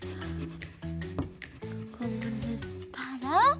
ここもぬったら。